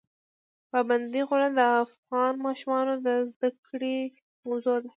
پابندی غرونه د افغان ماشومانو د زده کړې موضوع ده.